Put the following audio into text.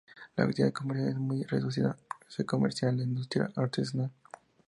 La actividad comercial es muy reducida, se comercia la industria artesanal.